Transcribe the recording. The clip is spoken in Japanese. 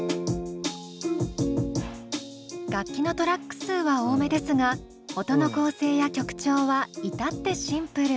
楽器のトラック数は多めですが音の構成や曲調は至ってシンプル。